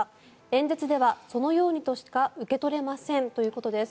演説ではそのようにしか受け取れませんということです。